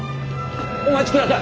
お待ちください！